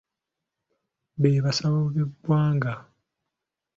Be basawo bw’eggwanga.